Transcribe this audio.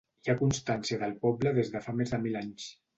Hi ha constància del poble des de fa més de mil anys.